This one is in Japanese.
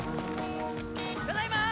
ただいま！